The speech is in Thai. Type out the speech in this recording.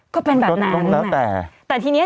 ก็เป็นแบบนั้น